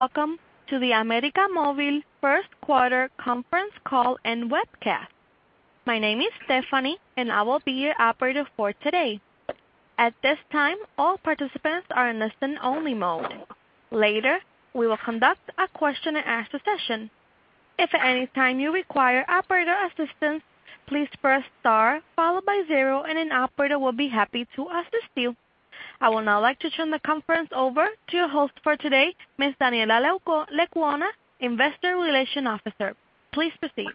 Welcome to the América Móvil first quarter conference call and webcast. My name is Stephanie and I will be your operator for today. At this time, all participants are in listen only mode. Later, we will conduct a question and answer session. If at any time you require operator assistance, please press star followed by zero and an operator will be happy to assist you. I would now like to turn the conference over to your host for today, Ms. Daniela Lecuona, Investor Relations Officer. Please proceed.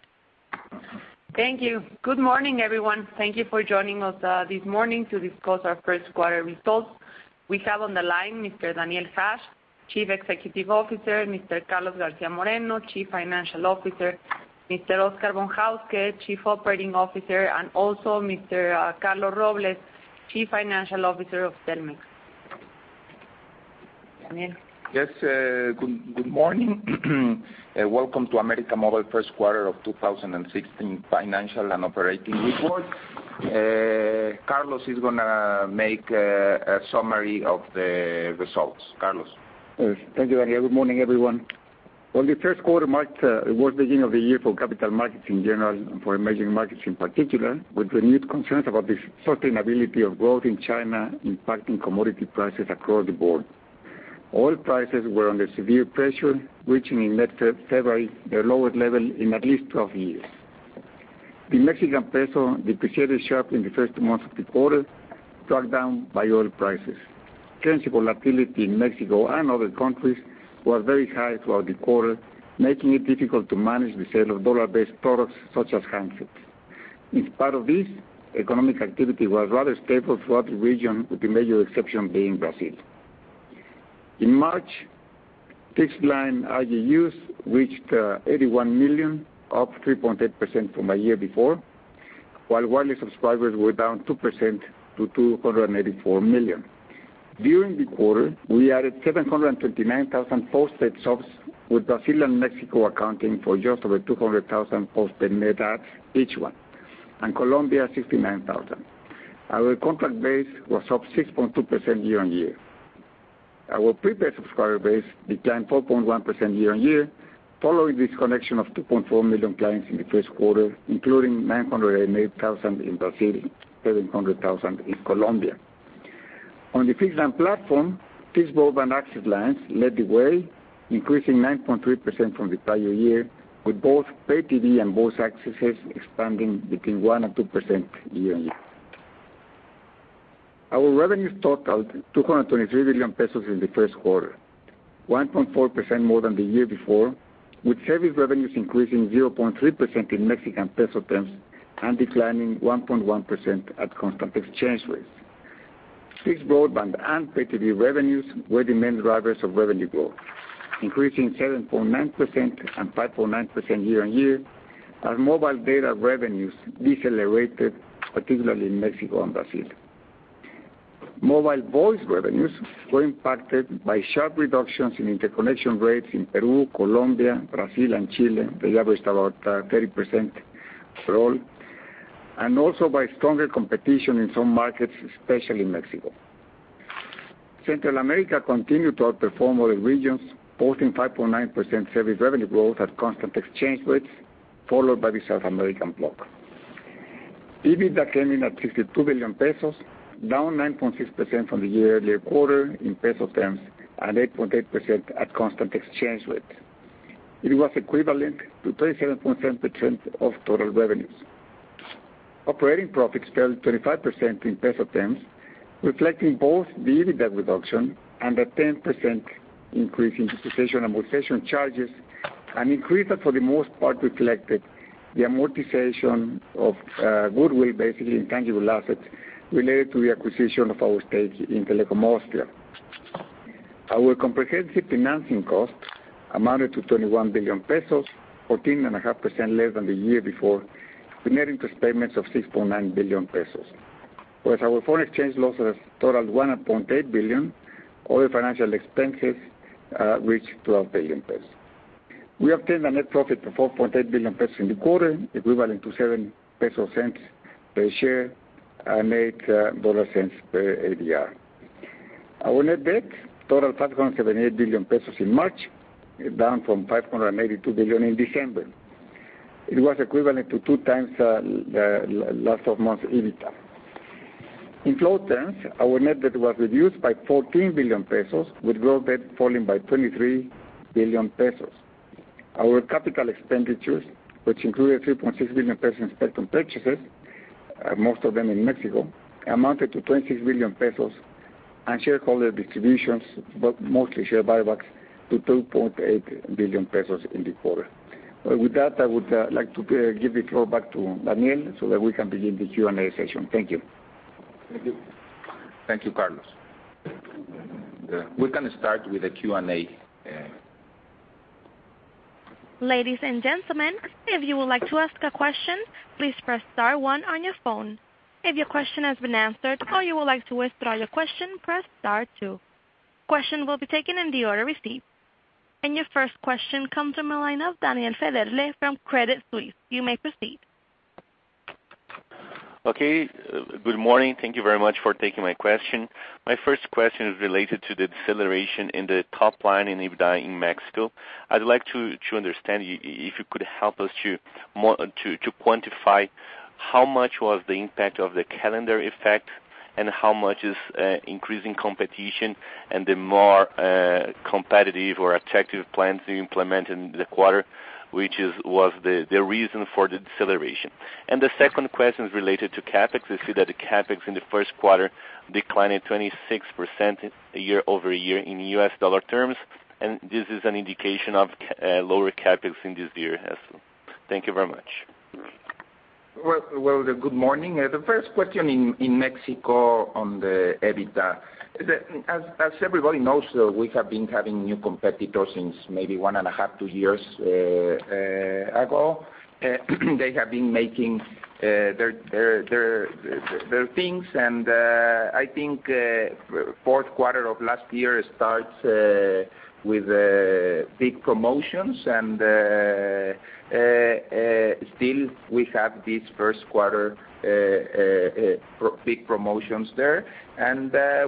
Thank you. Good morning, everyone. Thank you for joining us this morning to discuss our first quarter results. We have on the line Mr. Daniel Hajj, Chief Executive Officer, Mr. Carlos Garcia Moreno, Chief Financial Officer, Mr. Óscar von Hauske, Chief Operating Officer, and also Mr. Carlos Robles, Chief Financial Officer of Telmex. Daniel? Yes, good morning. Welcome to América Móvil first quarter of 2016 financial and operating report. Carlos is gonna make a summary of the results. Carlos? Thank you, Daniel. Good morning, everyone. Well, the first quarter marked what was beginning of the year for capital markets in general and for emerging markets in particular, with renewed concerns about the sustainability of growth in China impacting commodity prices across the board. Oil prices were under severe pressure, reaching in mid-February their lowest level in at least 12 years. The Mexican peso depreciated sharply in the first month of the quarter, dragged down by oil prices. Currency volatility in Mexico and other countries was very high throughout the quarter, making it difficult to manage the sale of dollar-based products such as handsets. In spite of this, economic activity was rather stable throughout the region, with the major exception being Brazil. In March, fixed line RGUs reached 81 million, up 3.8% from a year before, while wireless subscribers were down 2% to 284 million. During the quarter, we added 729,000 postpaid subs, with Brazil and Mexico accounting for just over 200,000 postpaid net adds, each one, and Colombia, 69,000. Our contract base was up 6.2% year on year. Our prepaid subscriber base declined 4.1% year on year, following disconnection of 2.4 million clients in the first quarter, including 908,000 in Brazil, 700,000 in Colombia. On the fixed line platform, fixed broadband access lines led the way, increasing 9.3% from the prior year, with both pay TV and voice accesses expanding between 1% and 2% year on year. Our revenues totaled 223 billion pesos in the first quarter, 1.4% more than the year before, with service revenues increasing 0.3% in MXN terms, and declining 1.1% at constant exchange rates. Fixed broadband and pay TV revenues were the main drivers of revenue growth, increasing 7.9% and 5.9% year on year, as mobile data revenues decelerated, particularly in Mexico and Brazil. Mobile voice revenues were impacted by sharp reductions in interconnection rates in Peru, Colombia, Brazil, and Chile. They averaged about 30% for all. Also by stronger competition in some markets, especially Mexico. Central America continued to outperform other regions, posting 5.9% service revenue growth at constant exchange rates, followed by the South American block. EBITDA came in at 52 billion pesos, down 9.6% from the year earlier quarter in MXN terms, and 8.8% at constant exchange rate. It was equivalent to 37.7% of total revenues. Operating profits fell 25% in MXN terms, reflecting both the EBITDA reduction and a 10% increase in depreciation amortization charges, an increase that for the most part reflected the amortization of goodwill, basically in tangible assets, related to the acquisition of our stake in Telekom Austria. Our comprehensive financing cost amounted to 21 billion pesos, 14.5% less than the year before, with net interest payments of 6.9 billion pesos. Whereas our foreign exchange losses totaled 1.8 billion, other financial expenses reached 12 billion pesos. We obtained a net profit of 4.8 billion pesos in the quarter, equivalent to 0.07 per share and $0.08 per ADR. Our net debt totaled 578 billion pesos in March, down from 582 billion in December. It was equivalent to two times last of month's EBITDA. In flow terms, our net debt was reduced by 14 billion pesos, with gross debt falling by 23 billion pesos. Our capital expenditures, which included 3.6 billion pesos in spectrum purchases, most of them in Mexico, amounted to 20 billion pesos, and shareholder distributions, but mostly share buybacks, to 2.8 billion pesos in the quarter. With that, I would like to give the floor back to Daniel so that we can begin the Q&A session. Thank you. Thank you, Carlos. We're gonna start with the Q&A. Ladies and gentlemen, if you would like to ask a question, please press star one on your phone. If your question has been answered or you would like to withdraw your question, press star two. Question will be taken in the order received. Your first question comes from a line of Daniel Federle from Credit Suisse. You may proceed. Okay. Good morning. Thank you very much for taking my question. My first question is related to the deceleration in the top line in EBITDA in Mexico. I'd like to understand, if you could help us to quantify how much was the impact of the calendar effect and how much is increase in competition and the more competitive or attractive plans you implement in the quarter, which was the reason for the deceleration? The second question is related to CapEx. We see that the CapEx in the first quarter declined at 26% year-over-year in US dollar terms, and this is an indication of lower CapEx in this year also. Thank you very much. Well, good morning. The first question in Mexico on the EBITDA. As everybody knows, we have been having new competitors since maybe one and a half, two years ago. They have been making their things, and I think fourth quarter of last year starts with big promotions and still we have this first quarter big promotions there.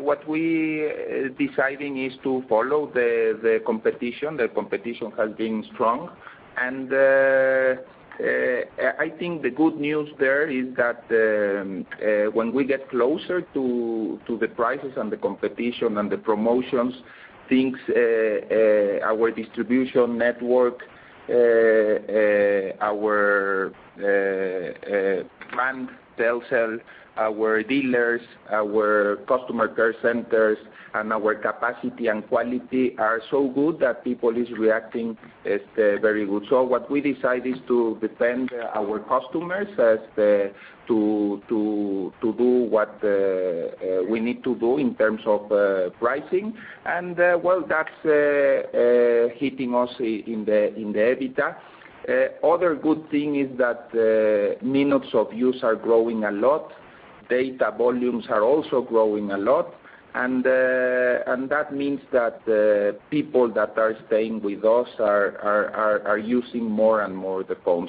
What we deciding is to follow the competition. The competition has been strong. And I think the good news there is that when we get closer to the prices and the competition and the promotions, our distribution network, our brand, Telcel, our dealers, our customer care centers, and our capacity and quality are so good that people is reacting very good. What we decide is to defend our customers as to do what we need to do in terms of pricing. Well, that's hitting us in the EBITDA. Other good thing is that minutes of use are growing a lot. Data volumes are also growing a lot. That means that people that are staying with us are using more and more the phone.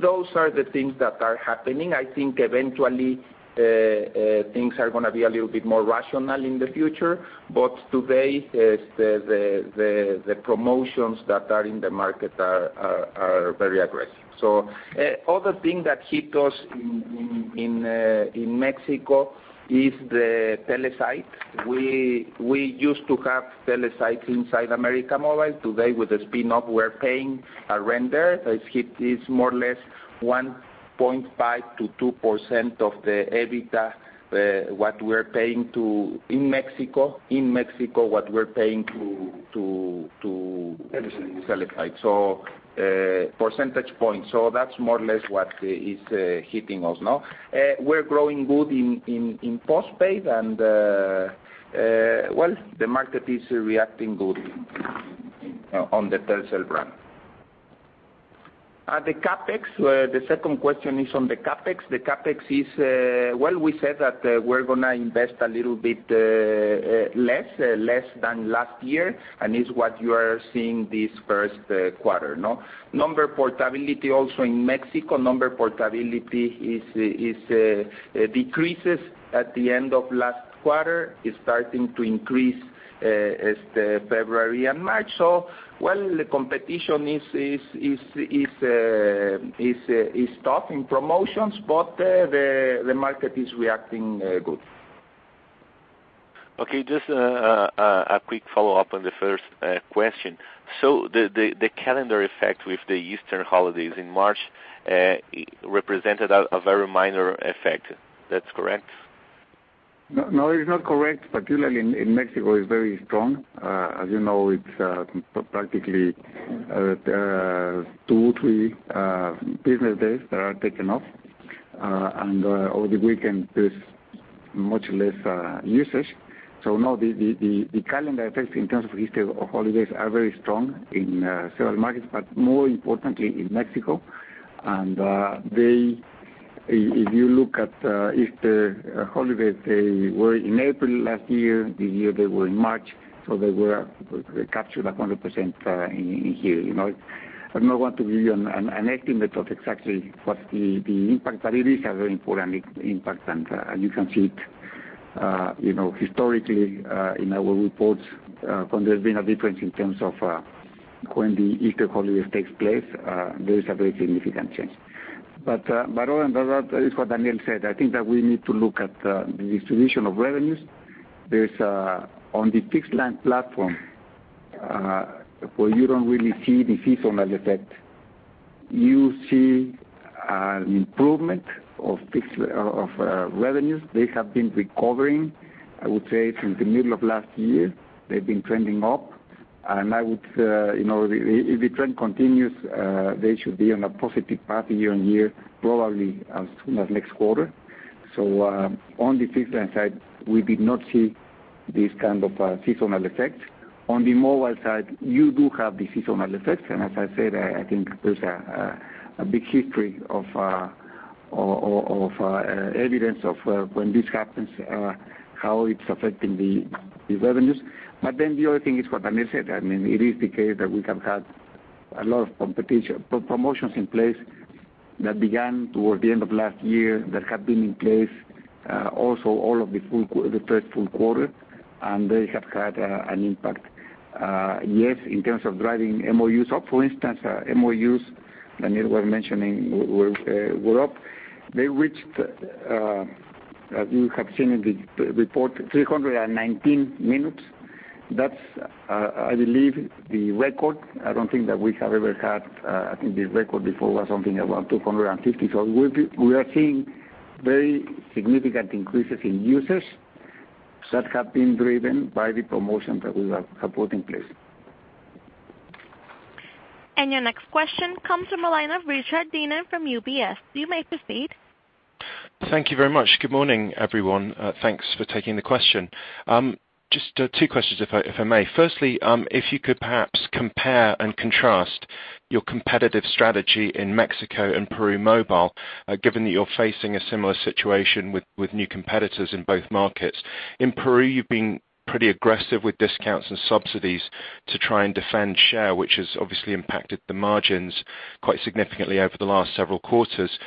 Those are the things that are happening. I think eventually, things are gonna be a little bit more rational in the future, but today, the promotions that are in the market are very aggressive. Other thing that hit us in Mexico is the Telesites. We used to have Telesites inside América Móvil. Today with the spin-off, we're paying a render. It's more or less 1.5%-2% of the EBITDA, what we're paying in Mexico, what we're paying to- Telesites Telesites. Percentage point. That's more or less what is hitting us now. We're growing good in postpaid and, well, the market is reacting good on the Telcel brand. The CapEx, the second question is on the CapEx. The CapEx is, well, we said that we're gonna invest a little bit less than last year, and it's what you are seeing this first quarter. Number portability also in Mexico. Number portability decreases at the end of last quarter. It's starting to increase as of February and March. Well, the competition is tough in promotions, but the market is reacting good. Okay. Just a quick follow-up on the first question. The calendar effect with the Easter holidays in March represented a very minor effect. That's correct? No, it's not correct. Particularly in Mexico, it's very strong. As you know, it's practically two, three business days that are taken off. Over the weekend, there's much less usage. No, the calendar effects in terms of Easter holidays are very strong in several markets, but more importantly in Mexico. If you look at Easter holidays, they were in April last year. This year, they were in March, so they were captured 100% in here. I don't want to give you an estimate of exactly what the impact, but it is a very important impact, and you can see it historically in our reports when there's been a difference in terms of when the Easter holidays takes place, there is a very significant change. Other than that, it's what Daniel said. I think that we need to look at the distribution of revenues. On the fixed line platform, where you don't really see the seasonal effect. You see an improvement of revenues. They have been recovering, I would say, since the middle of last year. They've been trending up. If the trend continues, they should be on a positive path year-over-year, probably as soon as next quarter. On the fixed line side, we did not see this kind of a seasonal effect. On the mobile side, you do have the seasonal effect, and as I said, I think there's a big history of evidence of when this happens, how it's affecting these revenues. The other thing is what Daniel said. I mean, it is the case that we have had A lot of promotions in place that began toward the end of last year that have been in place also all of the first full quarter, they have had an impact. Yes, in terms of driving MOUs up, for instance, MOUs, Daniel was mentioning, were up. They reached, as you have seen in the report, 319 minutes. That's, I believe, the record. I don't think that we have ever had the record before was something about 250. We are seeing very significant increases in users that have been driven by the promotions that we have put in place. Your next question comes from the line of Richard Dineen from UBS. You may proceed. Thank you very much. Good morning, everyone. Thanks for taking the question. Just two questions, if I may. Firstly, if you could perhaps compare and contrast your competitive strategy in Mexico and Peru Mobile, given that you're facing a similar situation with new competitors in both markets. In Peru, you've been pretty aggressive with discounts and subsidies to try and defend share, which has obviously impacted the margins quite significantly over the last several quarters.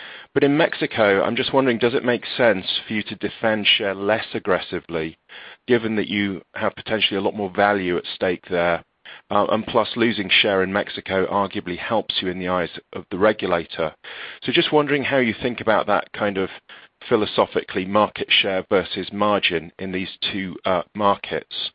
In Mexico, I'm just wondering, does it make sense for you to defend share less aggressively given that you have potentially a lot more value at stake there? Plus, losing share in Mexico arguably helps you in the eyes of the regulator. Just wondering how you think about that kind of philosophically, market share versus margin in these two markets.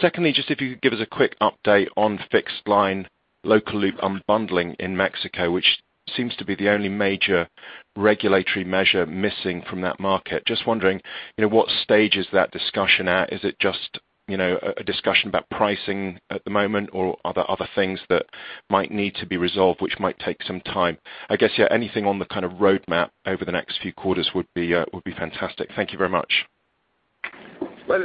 Secondly, just if you could give us a quick update on fixed line local loop unbundling in Mexico, which seems to be the only major regulatory measure missing from that market. Just wondering, what stage is that discussion at? Is it just a discussion about pricing at the moment, or are there other things that might need to be resolved, which might take some time? I guess, yeah, anything on the kind of roadmap over the next few quarters would be fantastic. Thank you very much. Well,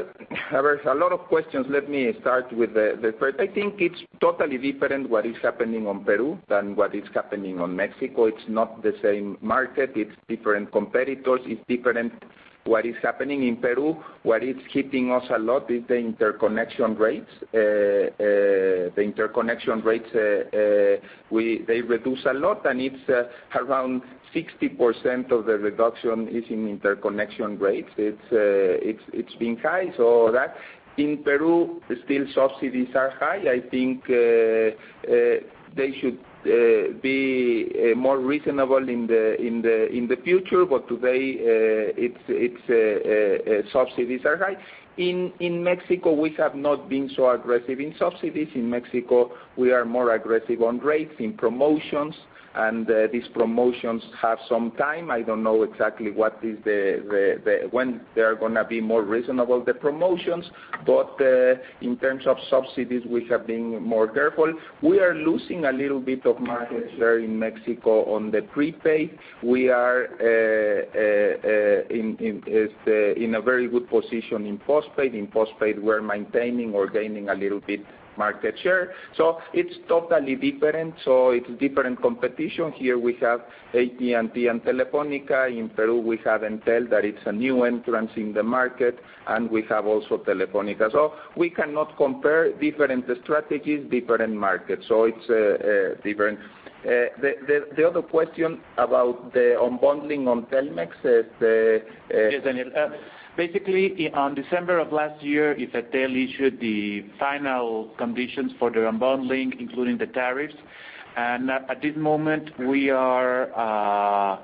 there's a lot of questions. Let me start with the first. I think it's totally different what is happening on Peru than what is happening on Mexico. It's not the same market. It's different competitors. It's different what is happening in Peru. What is hitting us a lot is the interconnection rates. The interconnection rates, they reduce a lot, and it's around 60% of the reduction is in interconnection rates. It's been high. In Peru, still subsidies are high. I think they should be more reasonable in the future, but today subsidies are high. In Mexico, we have not been so aggressive in subsidies. In Mexico, we are more aggressive on rates, in promotions, and these promotions have some time. I don't know exactly when they're going to be more reasonable, the promotions. In terms of subsidies, we have been more careful. We are losing a little bit of market share in Mexico on the prepaid. We are in a very good position in postpaid. In postpaid, we're maintaining or gaining a little bit market share. It's totally different. It's different competition. Here we have AT&T and Telefónica. In Peru, we have Entel, that it's a new entrance in the market, and we have also Telefónica. We cannot compare different strategies, different markets. It's different. The other question about the unbundling on Telmex. Yes, Daniel. Basically, on December of last year, IFT issued the final conditions for the unbundling, including the tariffs. At this moment we are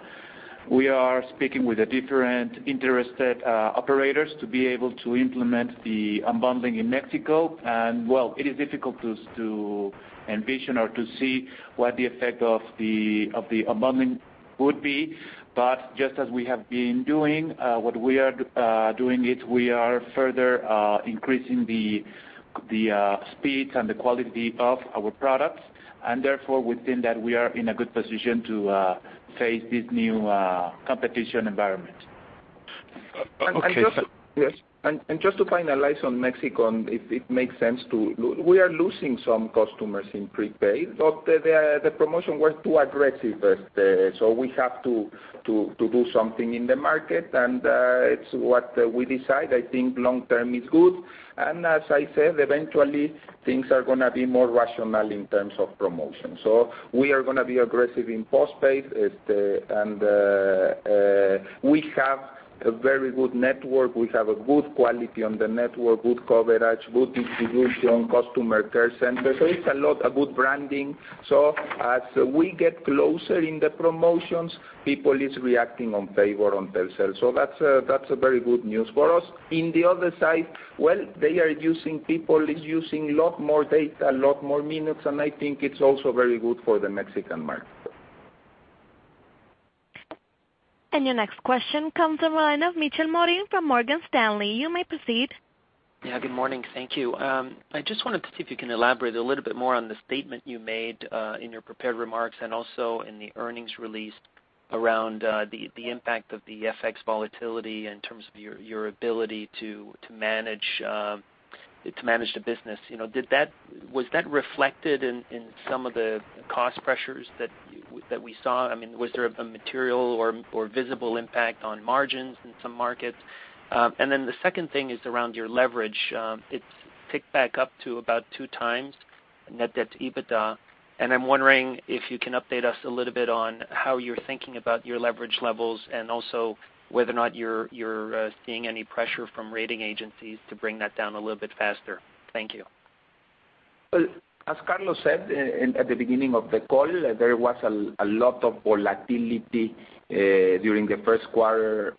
speaking with the different interested operators to be able to implement the unbundling in Mexico. Well, it is difficult to envision or to see what the effect of the unbundling would be. Just as we have been doing, what we are doing it, we are further increasing the speed and the quality of our products, and therefore we think that we are in a good position to face this new competition environment. Okay. Yes. Just to finalize on Mexico, and if it makes sense to. We are losing some customers in prepaid, but the promotion was too aggressive. We have to do something in the market, and it's what we decide. I think long term it's good. As I said, eventually things are going to be more rational in terms of promotion. We are going to be aggressive in postpaid. We have a very good network. We have a good quality on the network, good coverage, good distribution, customer care center. It's a lot, a good branding. As we get closer in the promotions, people is reacting on favor on Telcel. That's a very good news for us. In the other side, well, people is using a lot more data, a lot more minutes, I think it's also very good for the Mexican market. Your next question comes on the line of Michel Morin from Morgan Stanley. You may proceed. Yeah, good morning. Thank you. I just wanted to see if you can elaborate a little bit more on the statement you made in your prepared remarks and also in the earnings release around the impact of the FX volatility in terms of your ability to manage the business. Was that reflected in some of the cost pressures that we saw? I mean, was there a material or visible impact on margins in some markets? Then the second thing is around your leverage. It's ticked back up to about two times Net debt to EBITDA. I'm wondering if you can update us a little bit on how you're thinking about your leverage levels, and also whether or not you're seeing any pressure from rating agencies to bring that down a little bit faster. Thank you. Well, as Carlos said at the beginning of the call, there was a lot of volatility during the first quarter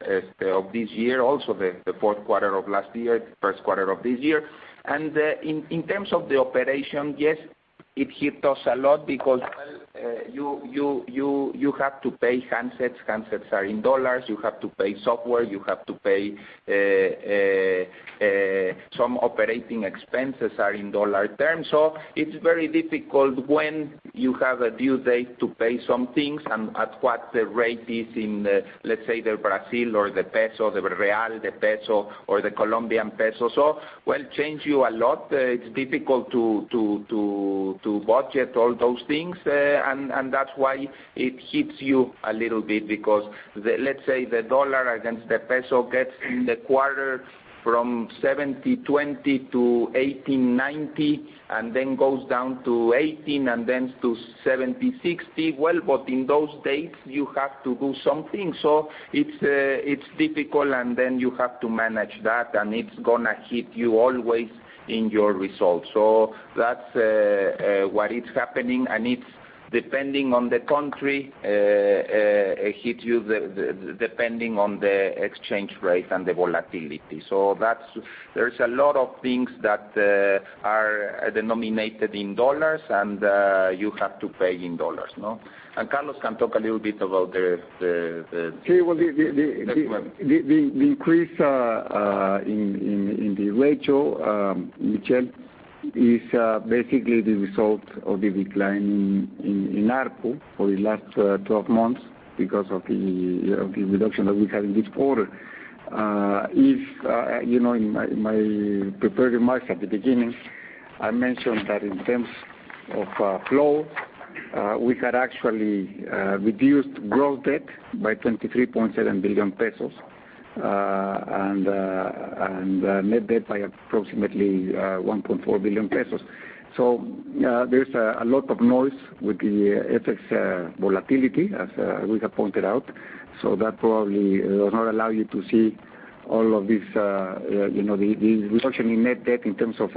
of this year, also the fourth quarter of last year, first quarter of this year. In terms of the operation, yes, it hit us a lot because, well, you have to pay handsets. Handsets are in USD. You have to pay software. You have to pay some operating expenses are in dollar terms. It's very difficult when you have a due date to pay some things and at what the rate is in, let's say, the Brazil or the peso, the real, the peso or the Colombian peso. Well, change you a lot. It's difficult to budget all those things. That's why it hits you a little bit because, let's say, the USD against the peso gets in the quarter from 70.20 to 80.90, then goes down to 80 and then to 70.60. Well, in those dates, you have to do something. It's difficult, then you have to manage that, and it's going to hit you always in your results. That's what it's happening, and it's depending on the country, hit you depending on the exchange rate and the volatility. There's a lot of things that are denominated in USD and you have to pay in USD. Carlos can talk a little bit about the- Okay. Well, the- Next one The increase in the ratio, Michelle, is basically the result of the decline in ARPU for the last 12 months because of the reduction that we had in this quarter. In my prepared remarks at the beginning, I mentioned that in terms of flow, we had actually reduced gross debt by 23.7 billion pesos, and net debt by approximately 1.4 billion pesos. There's a lot of noise with the FX volatility, as we have pointed out. That probably will not allow you to see all of this. The reduction in net debt in terms of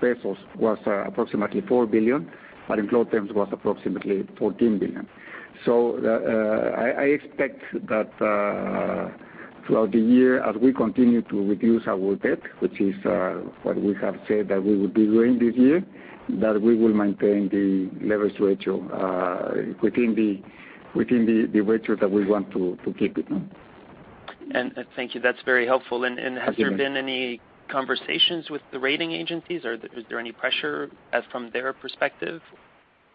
pesos was approximately 4 billion, but in flow terms was approximately 14 billion. I expect that throughout the year, as we continue to reduce our debt, which is what we have said that we would be doing this year, that we will maintain the leverage ratio within the ratio that we want to keep it. Thank you. That's very helpful. Thank you. Has there been any conversations with the rating agencies? Is there any pressure from their perspective?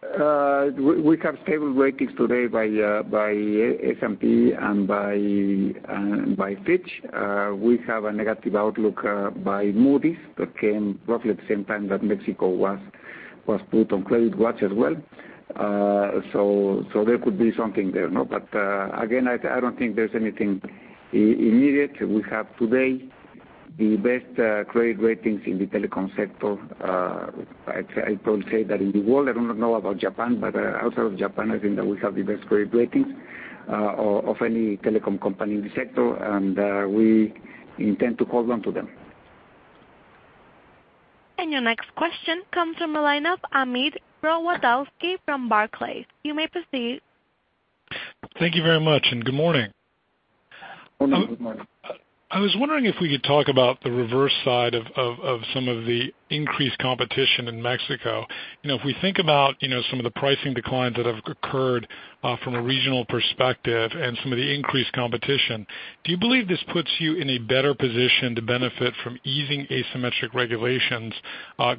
We have stable ratings today by S&P and by Fitch. We have a negative outlook by Moody's. That came roughly at the same time that Mexico was put on credit watch as well. There could be something there. Again, I don't think there's anything immediate. We have today the best credit ratings in the telecom sector. I probably say that in the world, I do not know about Japan, but outside of Japan, I think that we have the best credit ratings of any telecom company in the sector, and we intend to hold on to them. Your next question comes from the line of Amir Rozwadowski from Barclays. You may proceed. Thank you very much, and good morning. Good morning. Good morning. I was wondering if we could talk about the reverse side of some of the increased competition in Mexico. If we think about some of the pricing declines that have occurred from a regional perspective and some of the increased competition, do you believe this puts you in a better position to benefit from easing asymmetric regulations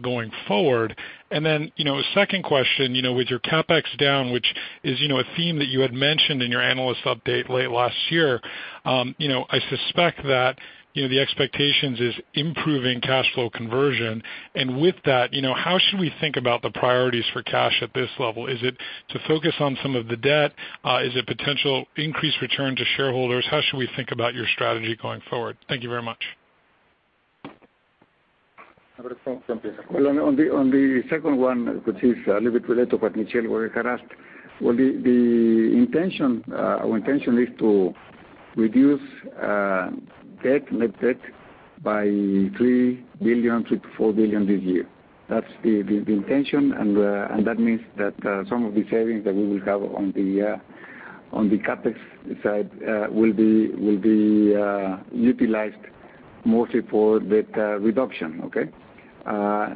going forward? Then, a second question, with your CapEx down, which is a theme that you had mentioned in your analyst update late last year, I suspect that the expectations is improving cash flow conversion. And with that, how should we think about the priorities for cash at this level? Is it to focus on some of the debt? Is it potential increased return to shareholders? How should we think about your strategy going forward? Thank you very much. I will start from this. Well, on the second one, which is a little bit related to what Michelle, we had asked. Well, our intention is to reduce net debt by 3 billion, 3 billion-4 billion this year. That's the intention, that means that some of the savings that we will have on the CapEx side will be utilized mostly for debt reduction, okay? That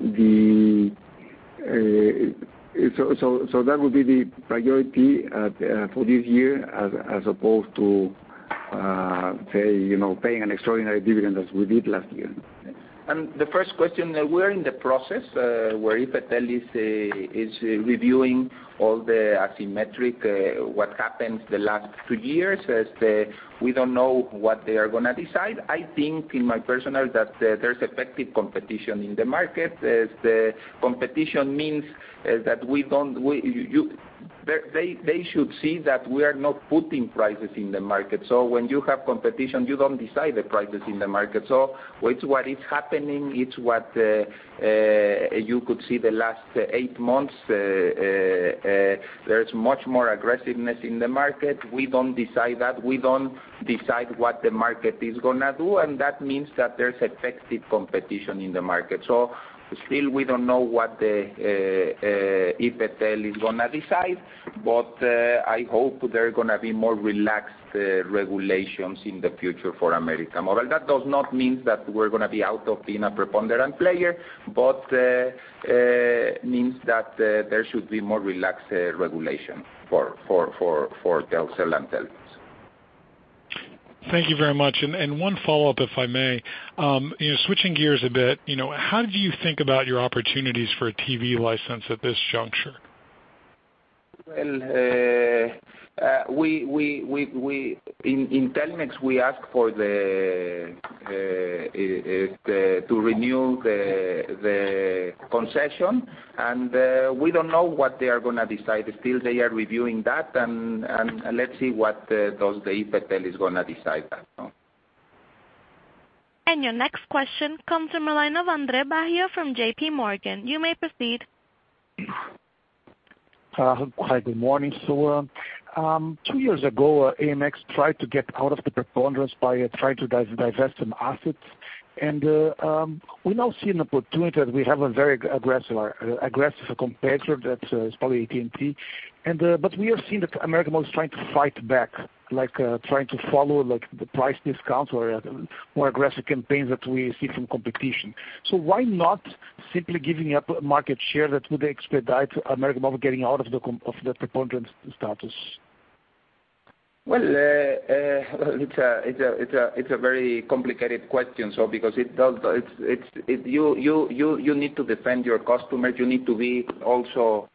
would be the priority for this year as opposed to paying an extraordinary dividend as we did last year. The first question, we're in the process where IFT is reviewing all the asymmetric, what happened the last two years. We don't know what they are going to decide. I think in my personal that there's effective competition in the market. They should see that we are not putting prices in the market. When you have competition, you don't decide the prices in the market. It's what is happening, it's what you could see the last eight months. There is much more aggressiveness in the market. We don't decide that. We don't decide what the market is going to do, that means that there's effective competition in the market. Still, we don't know what IFT is going to decide, but I hope there are going to be more relaxed regulations in the future for América Móvil. That does not mean that we're going to be out of being a preponderant player, means that there should be more relaxed regulation for Telcel and Telmex. Thank you very much. One follow-up, if I may. Switching gears a bit, how do you think about your opportunities for a TV license at this juncture? Well, in Telmex, we asked to renew the concession and we don't know what they are going to decide. Still, they are reviewing that, let's see what does the IFTEL is going to decide there. Your next question comes from a line of Andre Baggio from JPMorgan. You may proceed. Hi, good morning. Two years ago, AMX tried to get out of the preponderance by trying to divest some assets. We now see an opportunity that we have a very aggressive competitor that is probably AT&T. We have seen that América Móvil is trying to fight back, like trying to follow the price discounts or more aggressive campaigns that we see from competition. Why not simply giving up market share that would expedite América Móvil getting out of the preponderance status? Well, it's a very complicated question. Because you need to defend your customers, you need to be also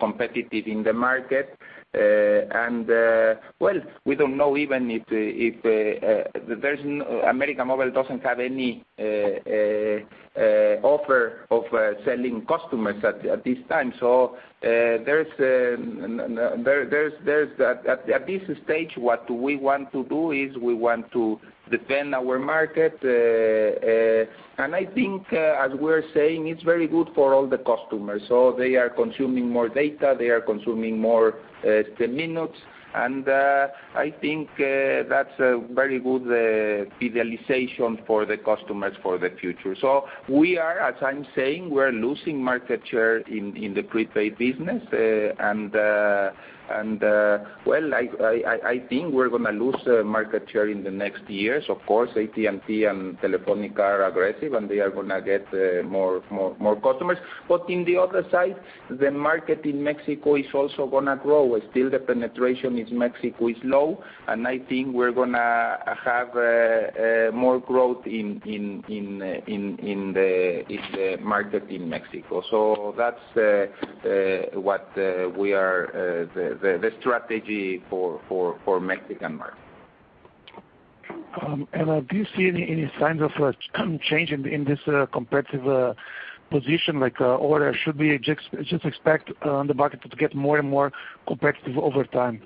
competitive in the market. Well, we don't know even if América Móvil doesn't have any offer of selling customers at this time. At this stage, what we want to do is we want to defend our market. I think as we're saying, it's very good for all the customers. They are consuming more data, they are consuming more minutes, I think that's a very good visualization for the customers for the future. We are, as I'm saying, we're losing market share in the prepaid business. Well, I think we're going to lose market share in the next years. Of course, AT&T and Telefónica are aggressive, they are going to get more customers. On the other side, the market in Mexico is also going to grow. Still, the penetration in Mexico is low, I think we're going to have more growth in the market in Mexico. That's the strategy for Mexican market. Do you see any signs of change in this competitive position? Should we just expect the market to get more and more competitive over time?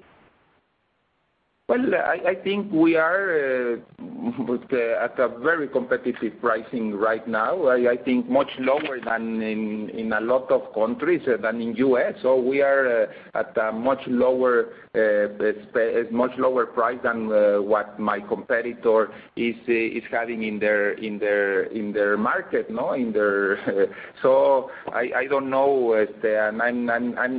Well, I think we are at a very competitive pricing right now, I think much lower than in a lot of countries, than in U.S. We are at a much lower price than what my competitor is having in their market. I don't know.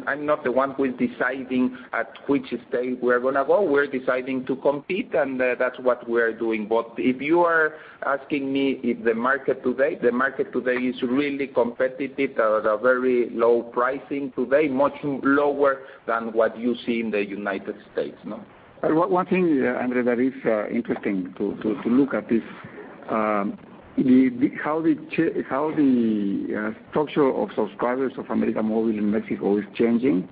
I'm not the one who is deciding at which stage we are going to go. We're deciding to compete, that's what we are doing. If you are asking me if the market today, the market today is really competitive at a very low pricing today, much lower than what you see in the United States. One thing, Andre, that is interesting to look at is how the structure of subscribers of América Móvil in Mexico is changing.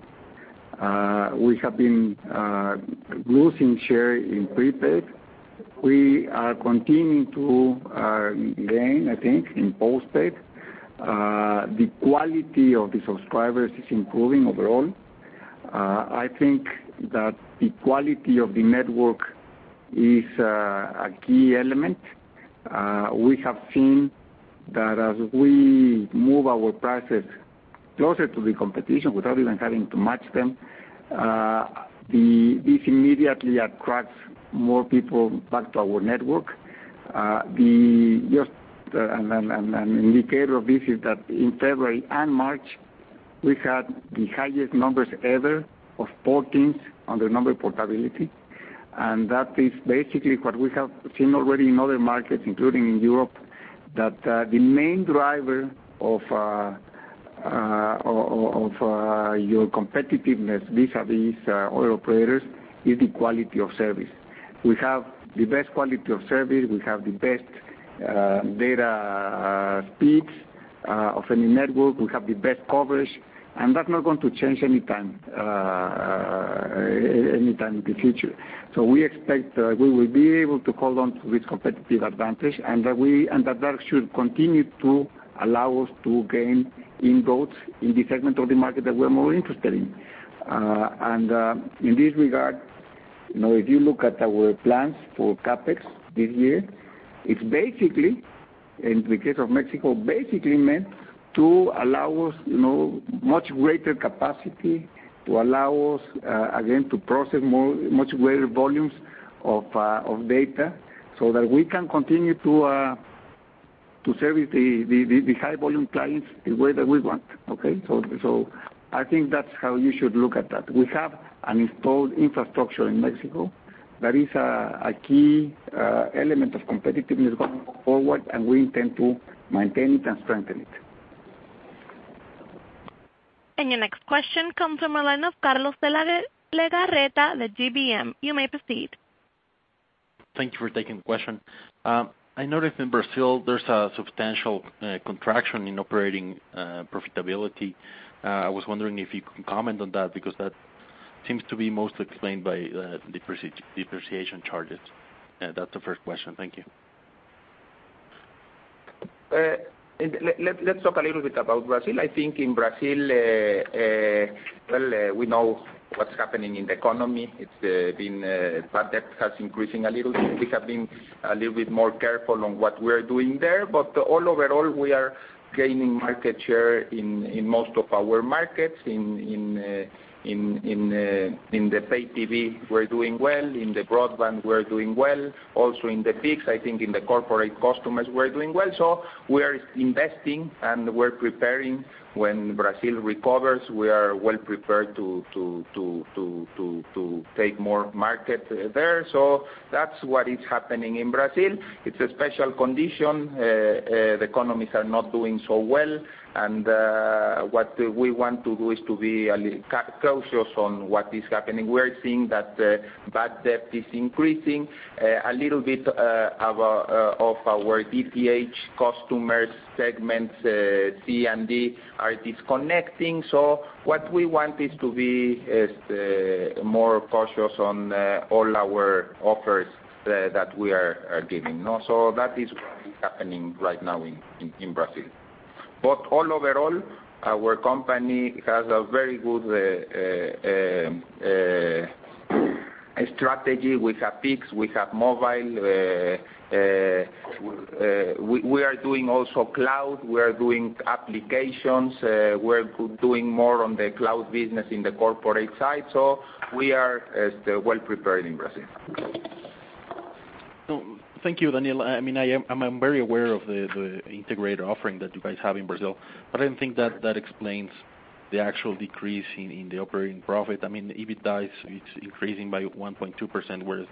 We have been losing share in prepaid. We are continuing to gain, I think, in postpaid. The quality of the subscribers is improving overall. I think that the quality of the network is a key element. We have seen that as we move our prices closer to the competition without even having to match them, this immediately attracts more people back to our network. An indicator of this is that in February and March, we had the highest numbers ever of port-ins on the number portability. That is basically what we have seen already in other markets, including in Europe, that the main driver of your competitiveness vis-à-vis other operators is the quality of service. We have the best quality of service. We have the best data speeds of any network. We have the best coverage, and that's not going to change anytime in the future. We expect we will be able to hold on to this competitive advantage, and that should continue to allow us to gain inroads in the segment of the market that we're more interested in. In this regard, if you look at our plans for CapEx this year, it's basically, in the case of Mexico, meant to allow us much greater capacity to allow us, again, to process much greater volumes of data so that we can continue to service the high-volume clients the way that we want. Okay. I think that's how you should look at that. We have an installed infrastructure in Mexico that is a key element of competitiveness going forward, and we intend to maintain it and strengthen it. Your next question comes from the line of Carlos de Legarreta, GBM. You may proceed. Thank you for taking the question. I noticed in Brazil there's a substantial contraction in operating profitability. I was wondering if you can comment on that, because that seems to be mostly explained by depreciation charges. That's the first question. Thank you. Let's talk a little bit about Brazil. I think in Brazil, well, we know what's happening in the economy. Bad debt has increasing a little. We have been a little bit more careful on what we're doing there. Overall, we are gaining market share in most of our markets. In pay TV, we're doing well. In broadband, we're doing well. Also in fixed, I think in the corporate customers, we're doing well. We are investing, and we're preparing. When Brazil recovers, we are well prepared to take more market there. That's what is happening in Brazil. It's a special condition. The economies are not doing so well, and what we want to do is to be a little cautious on what is happening. We are seeing that bad debt is increasing. A little bit of our DTH customers segment C and D are disconnecting. What we want is to be more cautious on all our offers that we are giving now. That is what is happening right now in Brazil. Overall, our company has a very good strategy. We have peaks, we have mobile. We are doing also cloud. We are doing applications. We are doing more on the cloud business in the corporate side. We are well-prepared in Brazil. Thank you, Daniel. I'm very aware of the integrated offering that you guys have in Brazil, I didn't think that explains the actual decrease in the operating profit. EBITDA is increasing by 1.2%, whereas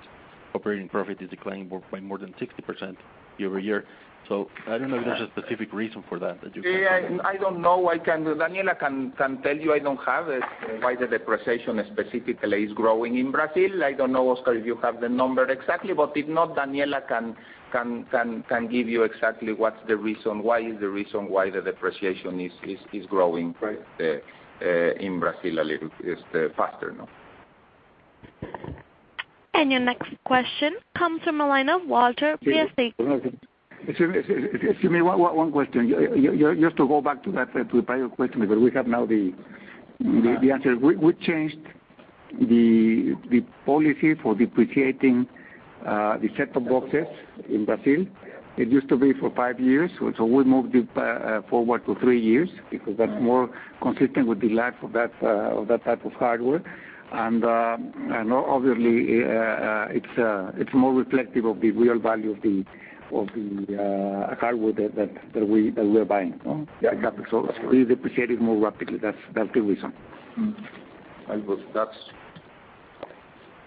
operating profit is declining by more than 60% year-over-year. I don't know if there's a specific reason for that you can comment on. I don't know. Daniela can tell you. I don't have it, why the depreciation specifically is growing in Brazil. I don't know, Oscar, if you have the number exactly, but if not, Daniela can give you exactly what's the reason, why the depreciation is growing Right in Brazil a little faster now. Your next question comes from the line of Walter Piecyk. Excuse me, one question. Just to go back to that, to the prior question, because we have now the answer. We changed the policy for depreciating the set-top boxes in Brazil. It used to be for five years, we moved it forward to three years because that's more consistent with the life of that type of hardware. Obviously, it's more reflective of the real value of the hardware that we are buying. Yeah. We depreciate it more rapidly. That's the reason.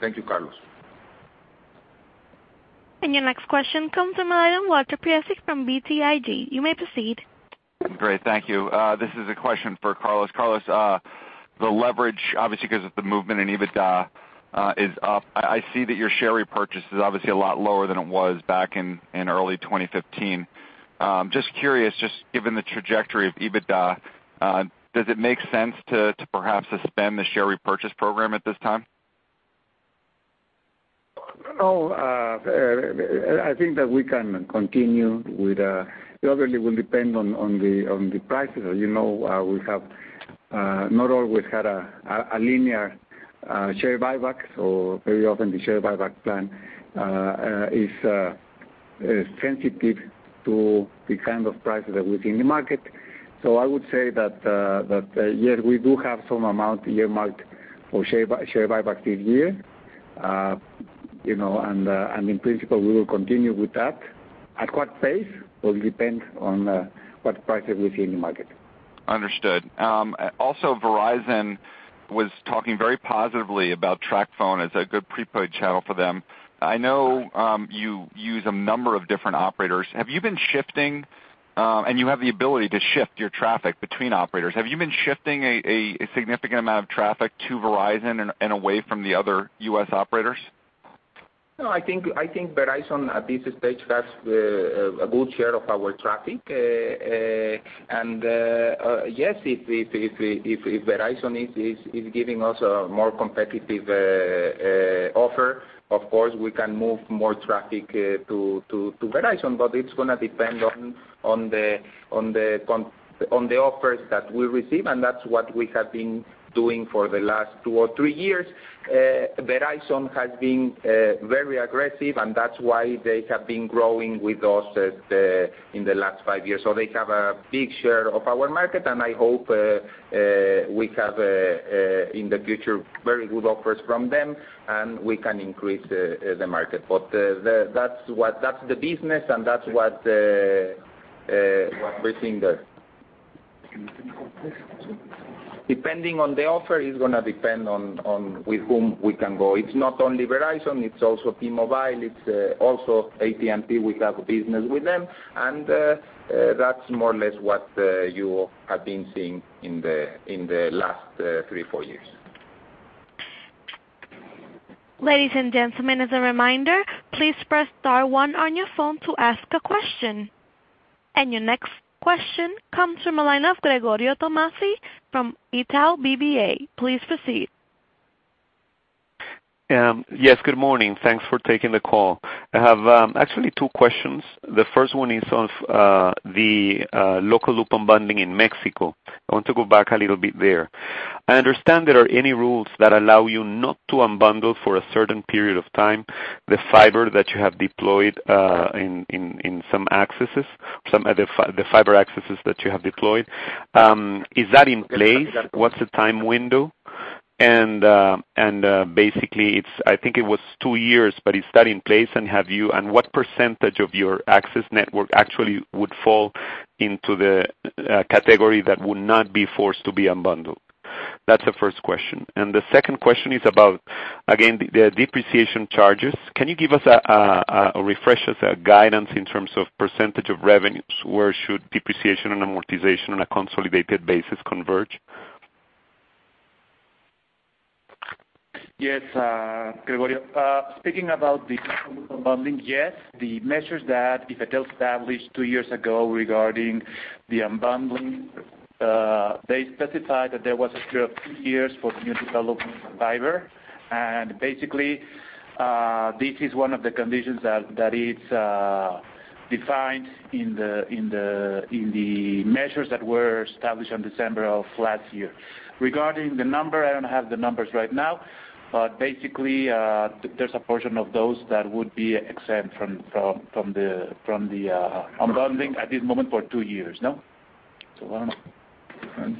Thank you, Carlos. Your next question comes from the line of Walter Piecyk from BTIG. You may proceed. Great. Thank you. This is a question for Carlos. Carlos, the leverage, obviously, because of the movement in EBITDA is up. I see that your share repurchase is obviously a lot lower than it was back in early 2015. Just curious, given the trajectory of EBITDA, does it make sense to perhaps suspend the share repurchase program at this time? I think that we can continue. It obviously will depend on the prices. As you know, we have not always had a linear share buyback, very often the share buyback plan is sensitive to the kind of prices that we see in the market. I would say that, yes, we do have some amount earmarked for share buyback this year. In principle, we will continue with that. At what pace will depend on what prices we see in the market. Understood. Also, Verizon was talking very positively about TracFone as a good prepaid channel for them. I know you use a number of different operators. You have the ability to shift your traffic between operators. Have you been shifting a significant amount of traffic to Verizon and away from the other U.S. operators? I think Verizon at this stage has a good share of our traffic. Yes, if Verizon is giving us a more competitive offer Of course, we can move more traffic to Verizon, but it's going to depend on the offers that we receive, and that's what we have been doing for the last two or three years. Verizon has been very aggressive, and that's why they have been growing with us in the last five years. They have a big share of our market, and I hope we have, in the future, very good offers from them, and we can increase the market. That's the business and that's what we're seeing there. Depending on the offer, it's going to depend on with whom we can go. It's not only Verizon, it's also T-Mobile, it's also AT&T. We have business with them. That's more or less what you have been seeing in the last three, four years. Ladies and gentlemen, as a reminder, please press star one on your phone to ask a question. Your next question comes from the line of Gregorio Tomassi from Itaú BBA. Please proceed. Yes, good morning. Thanks for taking the call. I have actually two questions. The first one is on the local loop unbundling in Mexico. I want to go back a little bit there. I understand there are any rules that allow you not to unbundle for a certain period of time, the fiber that you have deployed in some accesses, the fiber accesses that you have deployed. Is that in place? What's the time window? Basically, I think it was two years, but is that in place, and what percentage of your access network actually would fall into the category that would not be forced to be unbundled? That's the first question. The second question is about, again, the depreciation charges. Can you give us a refresh as a guidance in terms of percentage of revenues, where should depreciation and amortization on a consolidated basis converge? Yes, Gregorio. Speaking about the unbundling, yes, the measures that IFT established two years ago regarding the unbundling, they specified that there was a period of two years for new development in fiber. Basically, this is one of the conditions that is defined in the measures that were established on December of last year. Regarding the number, I don't have the numbers right now, but basically, there's a portion of those that would be exempt from the unbundling at this moment for two years. No? I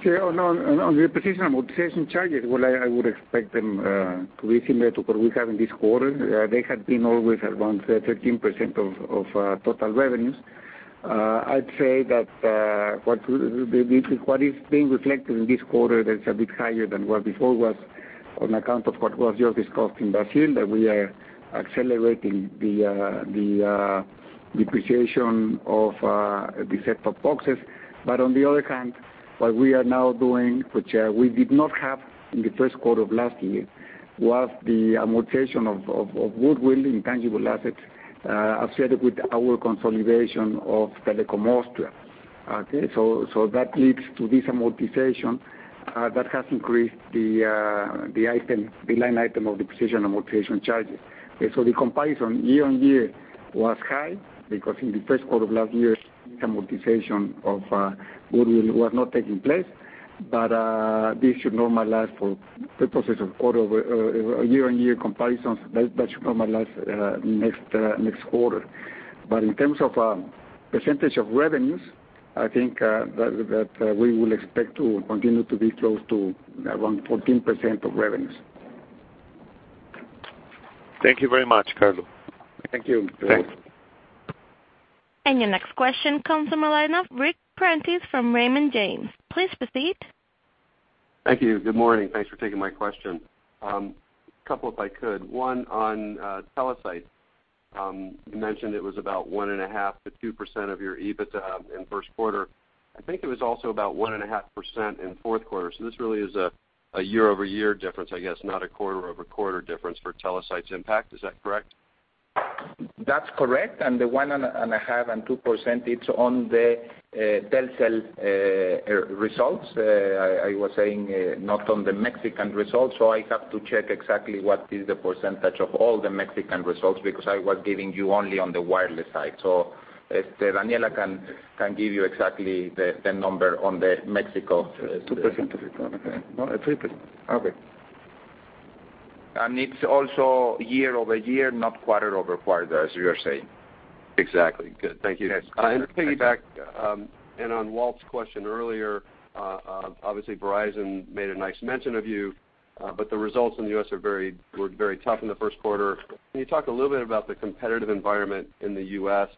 don't know. On the depreciation amortization charges, well, I would expect them to be similar to what we have in this quarter. They had been always around 13% of total revenues. I'd say that what is being reflected in this quarter that's a bit higher than what before was on account of what was just discussed in Brazil, that we are accelerating the depreciation of the set-top boxes. On the other hand, what we are now doing, which we did not have in the first quarter of last year, was the amortization of goodwill in tangible assets associated with our consolidation of Telekom Austria. That leads to this amortization that has increased the line item of depreciation amortization charges. Okay, the comparison year-over-year was high because in the first quarter of last year, the amortization of goodwill was not taking place. This should normalize for purposes of year-over-year comparisons. That should normalize next quarter. In terms of percentage of revenues, I think that we will expect to continue to be close to around 14% of revenues. Thank you very much, Carlos. Thank you. Thanks. Your next question comes from the line of Ric Prentiss from Raymond James. Please proceed. Thank you. Good morning. Thanks for taking my question. Couple if I could. One on Telesites. You mentioned it was about 1.5%-2% of your EBITDA in first quarter. I think it was also about 1.5% in fourth quarter. This really is a year-over-year difference, I guess, not a quarter-over-quarter difference for Telesites impact. Is that correct? That's correct, the 1.5% and 2% it's on the Telcel results, I was saying not on the Mexican results. I have to check exactly what is the percentage of all the Mexican results, because I was giving you only on the wireless side. Daniela can give you exactly the number on the Mexico. 2% of it. No, 3%. Okay. It's also year-over-year, not quarter-over-quarter, as you are saying. Exactly. Good. Thank you. Yes. Pigging back on Walt's question earlier, obviously Verizon made a nice mention of you, but the results in the U.S. were very tough in the first quarter. Can you talk a little bit about the competitive environment in the U.S.?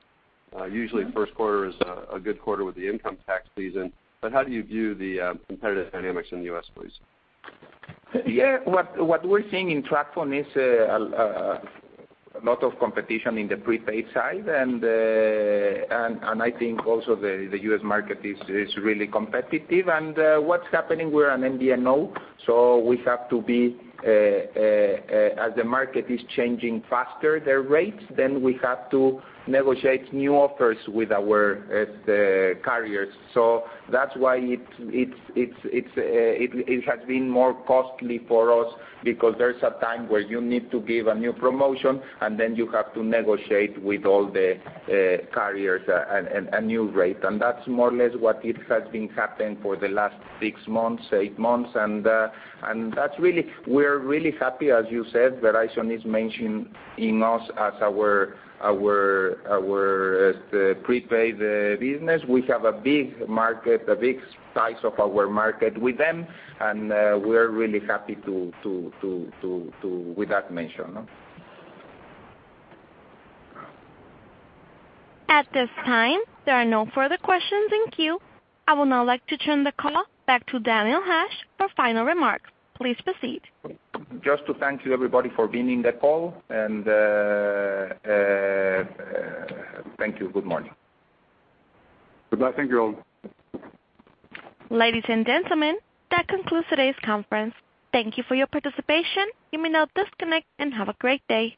Usually, first quarter is a good quarter with the income tax season. How do you view the competitive dynamics in the U.S., please? Yeah. What we're seeing in TracFone is a lot of competition in the prepaid side, and I think also the U.S. market is really competitive. What's happening, we're an MVNO, so as the market is changing faster their rates, then we have to negotiate new offers with our carriers. That's why it has been more costly for us because there's a time where you need to give a new promotion, and then you have to negotiate with all the carriers a new rate. That's more or less what it has been happening for the last six months, eight months. We're really happy, as you said, Verizon is mentioned in us as our prepaid business. We have a big slice of our market with them, and we're really happy with that mention. At this time, there are no further questions in queue. I would now like to turn the call back to Daniel Hajj for final remarks. Please proceed. Just to thank you everybody for being in the call, and thank you. Good morning. Ladies and gentlemen, that concludes today's conference. Thank you for your participation. You may now disconnect, and have a great day.